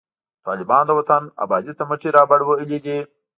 طالبان د وطن آبادۍ ته مټي رابډوهلي دي